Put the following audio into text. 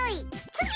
つぎ！